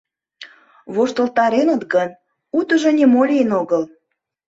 Воштылтареныт гын, утыжо нимо лийын огыл.